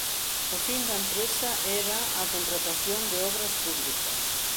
O fin da empresa era a contratación de obras públicas.